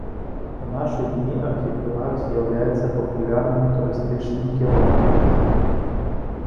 У нашы дні архіпелаг з'яўляецца папулярным турыстычным кірункам.